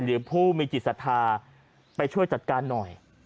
หรือผู้มีจิตศรัทธาไปช่วยจัดการหน่อย